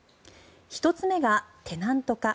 １つ目がテナント化。